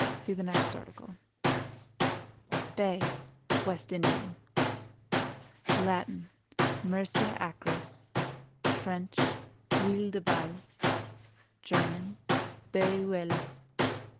See the next article. BAY (WEST INDIAN). Latin—Myrcia acris; French—(Huile de) Bay; German—Bay ( Oel).